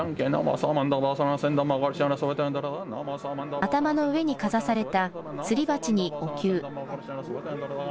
頭の上にかざされたすり鉢におきゅう。